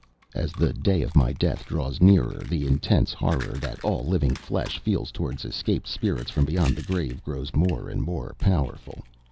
As the day of my death draws nearer, the intense horror that all living flesh feels toward escaped spirits from beyond the grave grows more and more powerful.